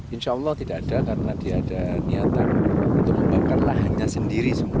insya allah tidak ada karena dia ada niatan untuk membakar lahannya sendiri semua